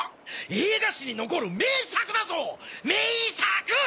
映画史に残る名作だぞ名作！